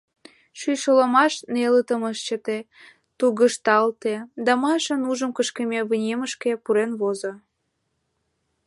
Шӱйшӧ ломаш нелытым ыш чыте, тугышталте, да Маша нужым кышкыме вынемышке пурен возо.